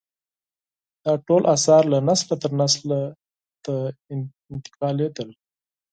دا ټول اثار له نسله تر نسل ته انتقالېدل.